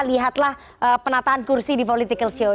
lihatlah penataan kursi di political show